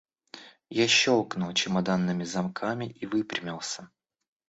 Я щелкнул чемоданными замками и выпрямился.